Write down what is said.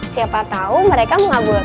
siapa tau mereka mau ngabulkan